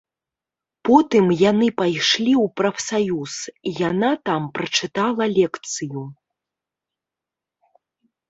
Потым яны пайшлі ў прафсаюз, і яна там прачытала лекцыю.